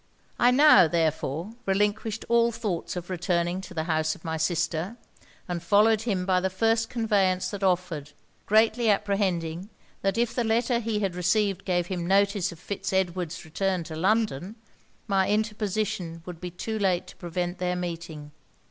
'I now, therefore, relinquished all thoughts of returning to the house of my sister, and followed him by the first conveyance that offered, greatly apprehending, that if the letters he had received gave him notice of Fitz Edward's return to London, my interposition would be too late to prevent their meeting.